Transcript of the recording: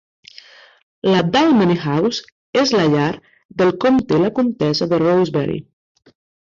La Dalmeny House és la llar del comte i la comtessa de Rosebery.